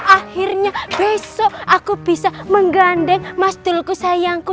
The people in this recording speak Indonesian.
akhirnya besok aku bisa menggandeng mas dulku sayangku